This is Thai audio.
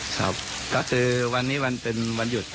ก็คือวันนี้ตื่นวันหยุด